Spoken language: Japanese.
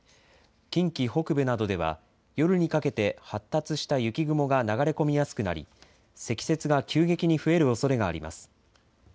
近畿北部などでは夜にかけて発達した雪雲が流れ込みやすくなり、積雪が急激に増えるおそれがあります。